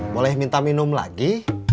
boleh minta minum lagi